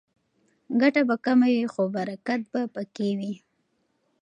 ګټه به کمه وي خو برکت به پکې وي.